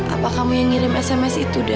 apa kamu yang ngirim sms itu deh